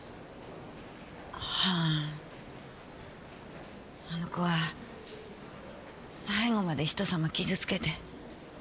はぁあの子は最後まで人様傷つけて。